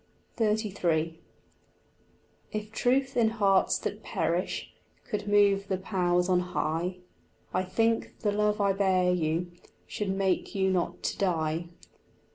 XXXIII If truth in hearts that perish Could move the powers on high, I think the love I bear you Should make you not to die.